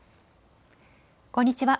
こんにちは。